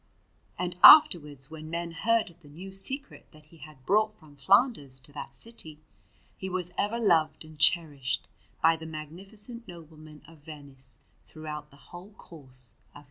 And afterwards, when men heard of the new secret that he had brought from Flanders to that city, he was ever loved and cherished by the magnificent noblemen of Venice throughout the whole course of his life.